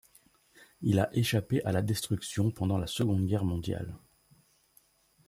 Il a échappé à la destruction pendant la Seconde Guerre mondiale.